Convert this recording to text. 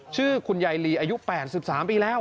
ชื่อคุณยายลีอายุ๘๓ปีแล้ว